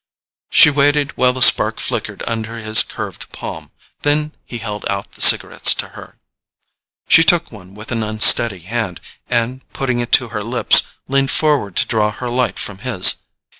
She waited while the spark flickered under his curved palm; then he held out the cigarettes to her. She took one with an unsteady hand, and putting it to her lips, leaned forward to draw her light from his.